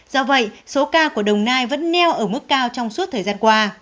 do vậy số ca của đồng nai vẫn neo ở mức cao trong suốt thời gian qua